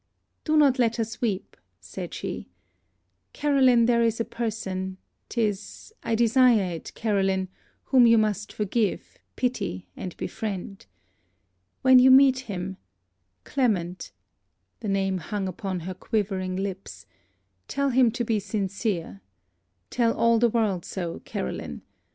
'Do not let us weep,' said she, 'Caroline, there is a person 'tis, I desire it, Caroline whom you must forgive, pity, and befriend. When you meet him Clement' the name hung upon her quivering lips 'tell him to be sincere. Tell all the world so, Caroline.